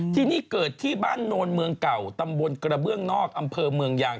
ที่นี่เกิดที่บ้านโนนเมืองเก่าตำบลกระเบื้องนอกอำเภอเมืองยาง